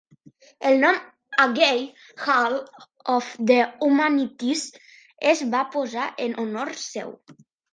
El nom Hagey Hall of the Humanities es va posar en honor seu.